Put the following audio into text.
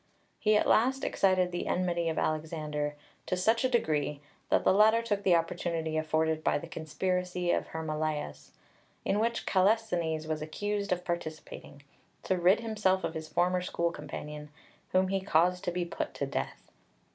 He at last excited the enmity of Alexander to such a degree that the latter took the opportunity afforded by the conspiracy of Hermolaus, in which Kallisthenes was accused of participating, to rid himself of his former school companion, whom he caused to be put to death.